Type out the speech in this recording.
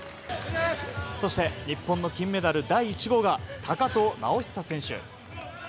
そして日本の金メダル第１号が高藤直寿選手。